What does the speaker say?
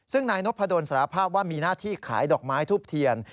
ซึ่งนายนพดลสารภาพว่ามีหน้าที่ขายดอกไม้ทูบเทียน